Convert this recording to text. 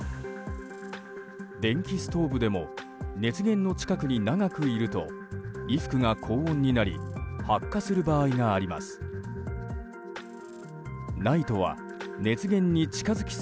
電気ストーブでも熱源の近くに長くいると衣服が高温になり発火する場合があります。